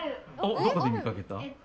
どこで見かけた？